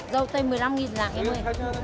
rau tây một mươi năm nghìn rạng em ơi